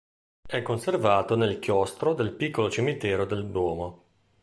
È conservato nel chiostro del piccolo cimitero del Duomo.